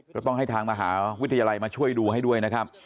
ก็ต้องให้ทางมหาวิทยาลัยมาช่วยดูให้ด้วยนะครับ